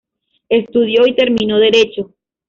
Estudió y terminó Derecho.